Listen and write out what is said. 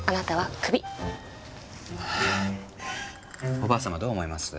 おばあ様どう思います？